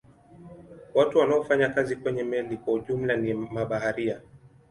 Watu wanaofanya kazi kwenye meli kwa jumla ni mabaharia.